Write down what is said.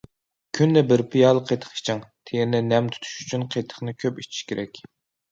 كۈندە بىر پىيالە قېتىق ئىچىڭ: تېرىنى نەم تۇتۇش ئۈچۈن، قېتىقنى كۆپ ئىچىش كېرەك.